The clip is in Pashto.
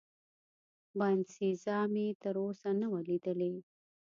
باینسیزا مې تراوسه نه وه لیدلې.